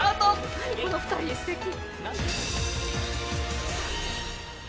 何この２人、すてき。